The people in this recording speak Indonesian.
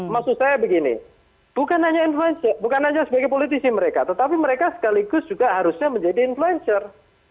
maksud saya begini bukan hanya sebagai politisi mereka tetapi mereka sekaligus juga harusnya menjadi influencer